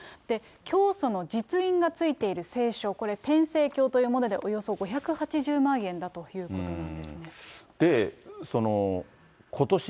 教祖の実印がついている聖書、これ天聖経というもので、およそ５８０万円だということなんですことし